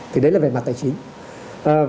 thì đấy là về mặt tài chính